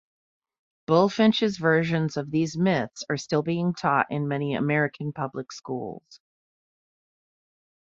Bulfinch's versions of these myths are still being taught in many American public schools.